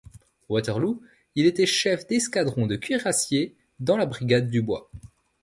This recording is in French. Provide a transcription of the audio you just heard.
Waterloo, il était chef d’escadron de cuirassiers dans la brigade Dubois.